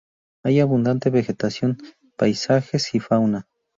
Hay abundante vegetación, paisajes y fauna.